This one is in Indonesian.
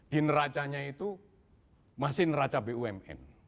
di neracanya itu masih neraca bumn